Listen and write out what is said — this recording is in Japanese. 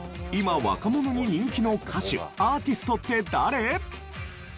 今若者に人気の歌手・アーティストって誰？